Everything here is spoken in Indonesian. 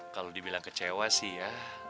kalau dibilang kecewa sih ya